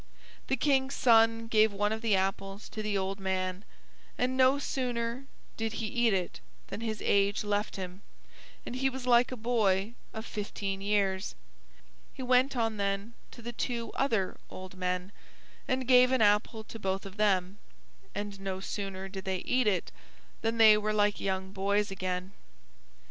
The King's son gave one of the apples to the old man, and no sooner did he eat it than his age left him, and he was like a boy of fifteen years. He went on then to the two other old men, and gave an apple to both of them, and no sooner did they eat it than they were like young boys again.